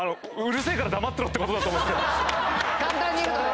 簡単に言うとね。